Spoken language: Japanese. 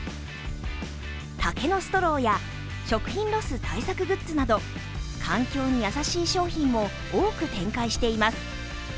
竹のストローや食品ロス対策グッズなど環境に優しい商品も多く展開しています。